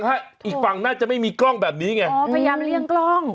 เอ้ยจริงน่ะอีกฝั่งน่าจะไม่มีกร้องแบบนี้ไงโอ้พยายามเลี่ยงกร้อง